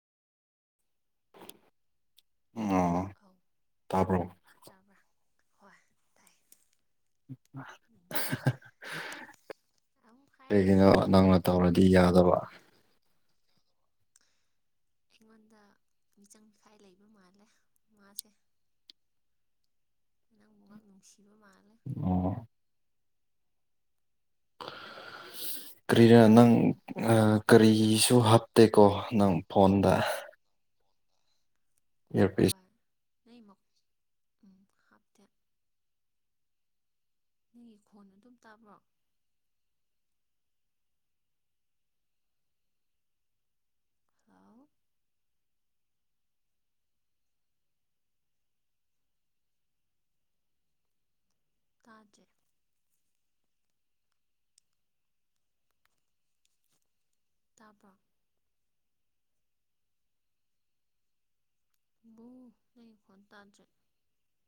ꯑꯣ ꯑꯧ ꯇꯥꯕ꯭ꯔꯣ ꯇꯥꯕ꯭ꯔꯥ ꯍꯣꯏ ꯇꯥꯏ ꯎꯝ ꯑꯃꯨꯛ ꯍꯥꯏꯔꯣ ꯀꯩꯒꯤꯅꯣ ꯅꯪꯅ ꯇꯧꯔꯗꯤ ꯌꯥꯗꯕ ꯑꯩꯉꯣꯟꯗ ꯃꯤꯆꯪ ꯃꯤꯈꯥꯏ ꯂꯩꯕ ꯃꯥꯜꯂꯦ ꯃꯥꯁꯦ ꯅꯪ ꯃꯨꯉꯛ ꯅꯨꯡꯁꯤꯕ ꯃꯥꯂꯦ ꯑꯣ [inaudible] ꯀꯔꯤꯔ ꯅꯪ ꯀꯔꯤꯁꯨ ꯍꯥꯞꯇꯦꯀꯣ ꯅꯪ ꯐꯣꯟꯗ ꯏꯌꯥꯔꯄꯤꯁ ꯍꯣꯏ ꯂꯩꯃꯛ ꯎꯝ ꯍꯥꯞꯇꯦ ꯅꯪꯒꯤ ꯈꯣꯟ ꯑꯗꯨꯝ ꯇꯥꯕ꯭ꯔꯣ? ꯍꯥꯂꯧ ꯇꯥꯗ꯭ꯔꯦ ꯇꯥꯕ꯭ꯔꯣ? ꯕꯨ ꯅꯪꯒꯤ ꯈꯣꯟ ꯇꯥꯗ꯭ꯔꯦ